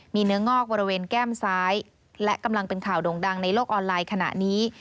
มีเนื้องอกบริเวณแก้มซ้ายและกำลังเป็นข่าวโด่งดังในโลกออนไลน์ขณะนี้